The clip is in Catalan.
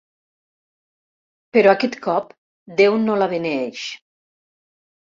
Però aquest cop déu no la beneeix.